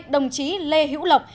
hai đồng chí lê hữu lộc